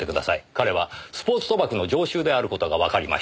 彼はスポーツ賭博の常習である事がわかりました。